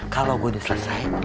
kalau gue diselesai